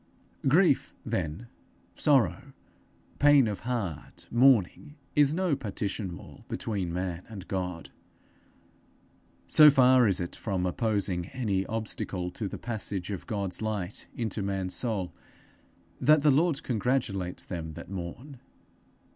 Grief, then, sorrow, pain of heart, mourning, is no partition wall between man and God. So far is it from opposing any obstacle to the passage of God's light into man's soul, that the Lord congratulates them that mourn.